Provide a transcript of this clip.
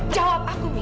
jawab aku mil